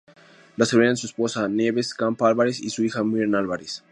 Le sobreviven su esposa, Nieves Campa-Alvarez, y su hija, Miren Alvarez.